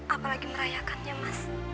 apalagi merayakannya mas